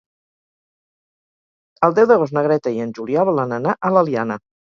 El deu d'agost na Greta i en Julià volen anar a l'Eliana.